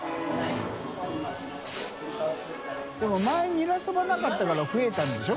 任眩ニラそばなかったから増えたんでしょ？